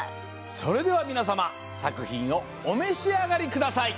それではみなさまさくひんをおめしあがりください。